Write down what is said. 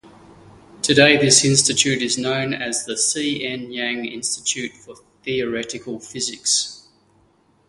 Today this institute is known as the C. N. Yang Institute for Theoretical Physics.